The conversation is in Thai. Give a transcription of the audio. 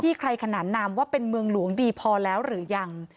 ใครขนานนามว่าเป็นเมืองหลวงดีพอแล้วหรือยัง